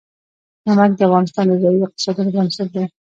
نمک د افغانستان د ځایي اقتصادونو بنسټ دی.